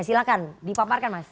silahkan dipaparkan mas